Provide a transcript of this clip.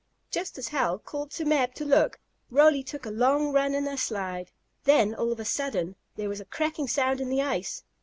Just as Hal called to Mab to look, Roly cook a long run and a slide. Then, all of a sudden, there was a cracking sound in the ice.